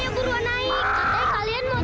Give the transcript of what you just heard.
sudah set beres